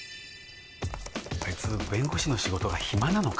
弁護士の仕事が暇なのか？